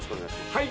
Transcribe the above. はい